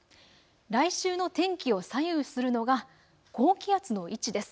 来週の天気を左右するのが高気圧の位置です。